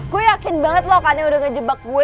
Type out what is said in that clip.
gue yakin banget lo akan ngejebak gue